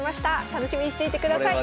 楽しみにしていてください。